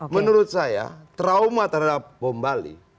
menurut saya trauma terhadap bom bali